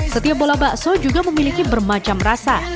setiap bola bakso juga memiliki bermacam rasa